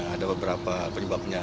ada beberapa penyebabnya